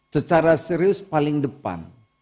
secara serius paling depan